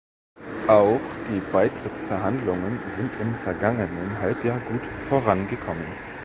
Auch die Beitrittsverhandlungen sind im vergangenen Halbjahr gut vorangekommen.